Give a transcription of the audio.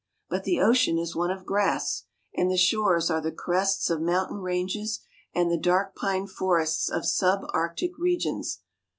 But the ocean is one of grass, and the shores are the crests of mountain ranges and the dark pine forests of sub Arctic regions.